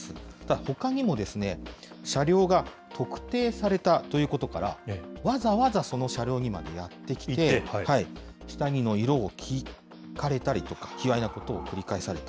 ほかにもですね、車両が特定されたということから、わざわざ、その車両にまでやって来て、下着の色を聞かれたりとか、卑わいなことを繰り返された。